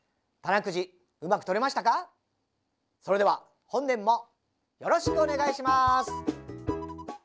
それでは本年もよろしくお願いします。